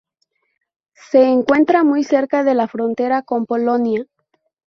Se encuentra muy cerca de la frontera con Polonia.